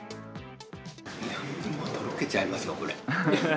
もうとろけちゃいますよ、これ。